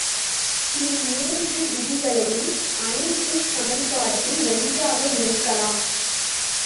இம்மூன்று விதிகளையும் அனைத்துச் சமன்பாட்டில் ஒன்றாக இணைக்கலாம்.